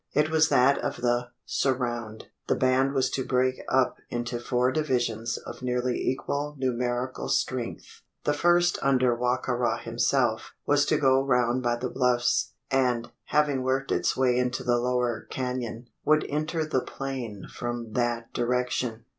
It was that of the "surround." The band was to break up into four divisions of nearly equal numerical strength. The first, under Wa ka ra himself, was to go round by the bluffs; and, having worked its way into the lower canon, would enter the plain from that direction.